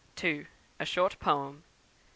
A Short Poem; 3.